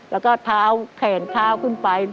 แล้วก็เท้าแขนเท้าขึ้นไป